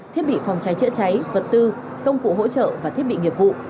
thiết bị phòng cháy chữa cháy vật tư công cụ hỗ trợ và thiết bị nghiệp vụ